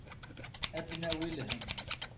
Ad d-nawi lhemm.